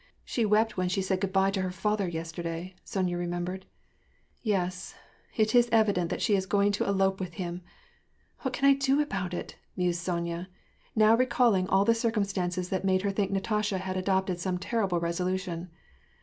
She wept when she said good by to her father yesterday," Sonya remembered. " Yes, it is evident that she is going to elope with him ! What can I do about it?" mused Sonya, now rf calling all the cir cumstances that now made her think Natasha had adopted some terrible resolution.